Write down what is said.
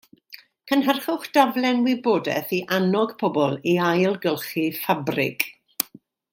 Cynhyrchwch daflen wybodaeth i annog pobl i ailgylchu ffabrig